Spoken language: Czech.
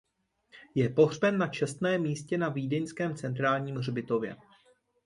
Je pohřben na čestném místě na Vídeňském centrálním hřbitově.